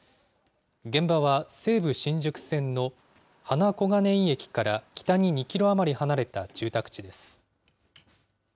現場は西武新宿線の花小金井駅から北に２キロ余り離れた住宅地です。